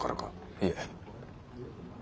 いえ。